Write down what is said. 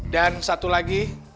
dan satu lagi